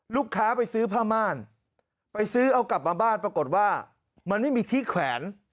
ลูกค้าไปซื้อผ้าม่านไปซื้อเอากลับมาบ้านปรากฏว่ามันไม่มีที่แขวน